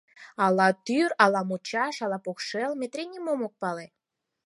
Ала тӱр, ала мучаш, ала покшел — Метрий нимом ок пале.